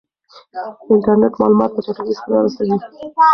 انټرنیټ معلومات په چټکۍ سره رسوي.